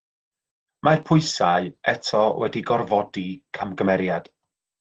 Mae'r pwysau eto wedi gorfodi camgymeriad.